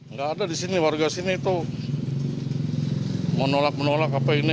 nggak ada di sini warga sini itu menolak menolak apa ini